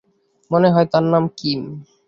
মনে হয় তার নাম কিম।